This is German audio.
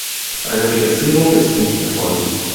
Eine Registrierung ist nicht erforderlich.